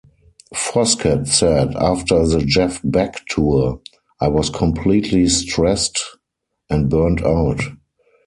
Foskett said After the Jeff Beck tour, I was completely stressed and burned out.